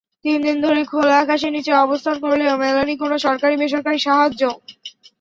তিন দিন ধরে খোলা আকাশের নিচে অবস্থান করলেও মেলেনি কোনো সরকারি-বেসরকারি সাহায্য।